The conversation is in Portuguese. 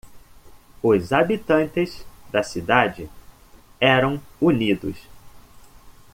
Os habitantes da cidade eram unidos.